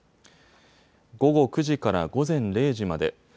午後９時から午前０時まで。